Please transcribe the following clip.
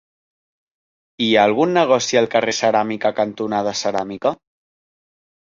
Hi ha algun negoci al carrer Ceràmica cantonada Ceràmica?